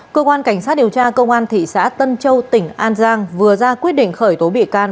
cơ quan cảnh sát điều tra công an thị xã tân châu tỉnh an giang vừa ra quyết định khởi tố bị can